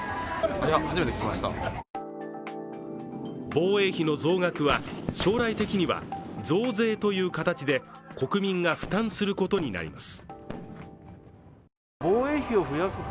防衛費の増額は将来的には増税という形で国民が負担することになります。